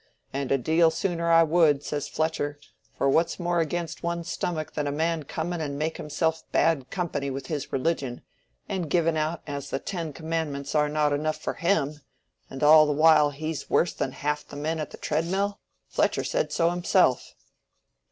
'And a deal sooner I would,' says Fletcher; 'for what's more against one's stomach than a man coming and making himself bad company with his religion, and giving out as the Ten Commandments are not enough for him, and all the while he's worse than half the men at the tread mill?' Fletcher said so himself."